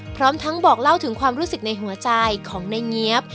พร้อมทั้งบอกเล่าถึงความรู้สึกในหัวใจของในเงี๊ยบ